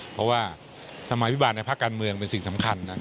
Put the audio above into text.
เพราะว่าสมัยพิบาลในภาคการเมืองเป็นสิ่งสำคัญนะ